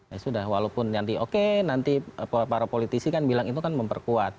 ya sudah walaupun nanti oke nanti para politisi kan bilang itu kan memperkuat